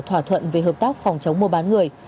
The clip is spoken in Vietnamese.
thỏa thuận về hợp tác phòng chống mua bán người